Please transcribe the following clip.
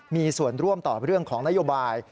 มีส่วนร่วมต่อเรื่องของนโยบาย